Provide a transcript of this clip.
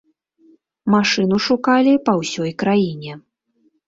Машыну шукалі па ўсёй краіне.